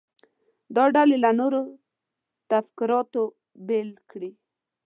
دا ډلې له نورو تفکراتو بیل کړي.